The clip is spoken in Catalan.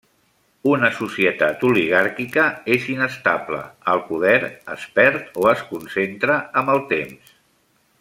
Una societat oligàrquica és inestable; el poder es perd o es concentra amb el temps.